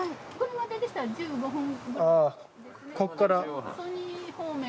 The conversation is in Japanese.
ここから？